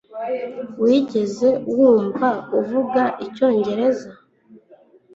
Wigeze wumva avuga icyongereza